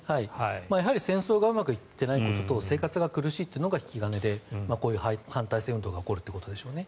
やはり戦争がうまくいってないことと生活が苦しいというのが引き金でこういう反体制運動が起こるということですね。